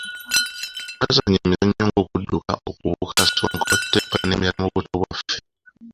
Twazanya emizannyo nga okudduka, okubuuka, ssonko, ttepo n'emirala mu buto bwaffe.